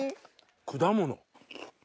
果物。